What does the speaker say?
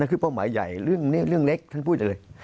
นั่นคือเป้าหมายใหญ่เรื่องนี้เรื่องเล็กท่านพูดเลย